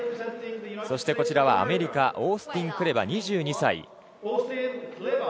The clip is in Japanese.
そしてアメリカオースティン・クレバ、２２歳。